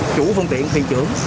chủ phương tiện thuyền trưởng